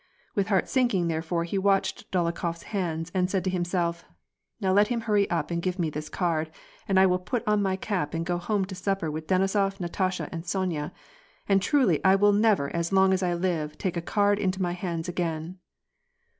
With heart sinking therefore, he watched Dolokhofs hands and said to himself, —" Now let him hurry up and give me this card, and I will put on my cap and go home to supper with Denisof, Natasha, and Sonya, and truly I will never as long as I live, take a card into my hands again."